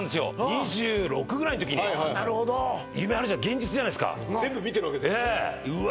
２６ぐらいのときになるほど夢あるじゃ現実じゃないですか全部見てるわけですもんねええうわ